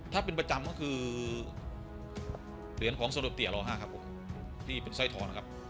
ถ้าเป็นประจำก็คือเหรียญของสลบเตี๋ยวรอห้าครับผมที่เป็นไซ่ทอนะครับ